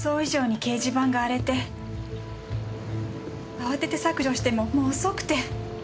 慌てて削除してももう遅くて。